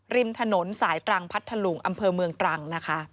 ริมถนนสายตรังพัทธลุงอำเภอเมืองตรังนะคะ